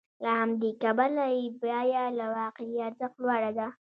له همدې کبله یې بیه له واقعي ارزښت لوړه ده